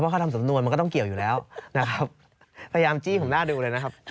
เขาทำสำนวนมันก็ต้องเกี่ยวอยู่แล้วนะครับพยายามจี้ผมหน้าดูเลยนะครับ